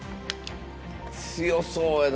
強そうやな